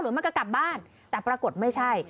มันก็กลับบ้านแต่ปรากฏไม่ใช่